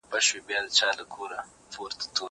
کتاب د زده کوونکي له خوا ليکل کيږي!